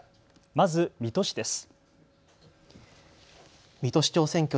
まず水戸市です。